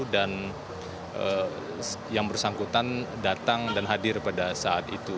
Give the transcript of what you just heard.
dan yang bersangkutan datang dan hadir pada saat itu